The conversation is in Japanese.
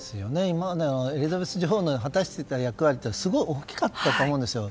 今までエリザベス女王が果たしていた役割はすごい大きかったと思うんですよ。